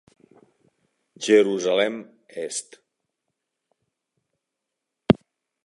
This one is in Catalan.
Jerusalem Est.